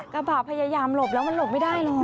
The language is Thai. กระบะพยายามหลบแล้วมันหลบไม่ได้หรอก